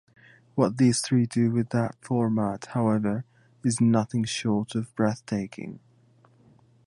What these three do with that format, however, is nothing short of breathtaking.